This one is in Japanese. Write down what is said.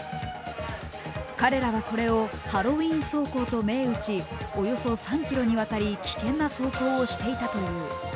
彼らはこれをハロウィーン走行と銘打ちおよそ３ｋｍにわたり危険な走行をしていたという。